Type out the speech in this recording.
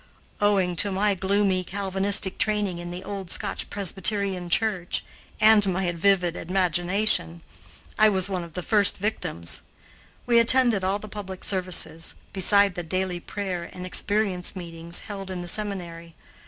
Owing to my gloomy Calvinistic training in the old Scotch Presbyterian church, and my vivid imagination, I was one of the first victims. We attended all the public services, beside the daily prayer and experience meetings held in the seminary.